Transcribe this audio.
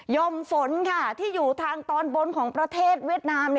มฝนที่อยู่ทางตอนบนของประเทศเวียดนาม